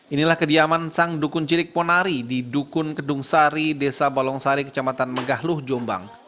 inilah kediaman sang dukun cilik ponari di dukun kedung sari desa balongsari kecamatan megahluh jombang